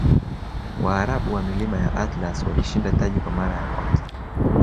waarabu wa milima ya atlas walishinda taji kwa mara ya kwanza